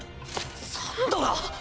サンドラ！